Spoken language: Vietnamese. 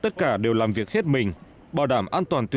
tất cả đều làm việc hết mình bảo đảm an toàn tuyệt đối cho khu mộ